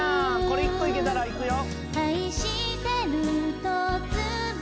これ１個いけたらいくよ。